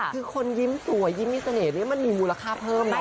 คือคนยิ้มสวยยิ้มมีเสน่หนี้มันมีมูลค่าเพิ่มนะ